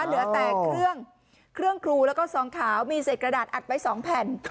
เดือเตกเครืองครูและสองขาวมีเสดกระดาษอัดไปสองแผ่น